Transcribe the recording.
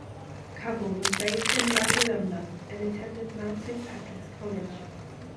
Covell was raised in Murwillumbah and attended Mount Saint Patrick's College.